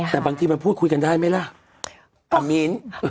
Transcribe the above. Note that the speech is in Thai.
แต่บางทีมันพูดคุยกันได้ไหมล่ะอามิ้น